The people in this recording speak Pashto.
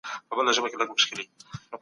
مغولو ته وويل سول چي خپله تګلاره بدله کړي.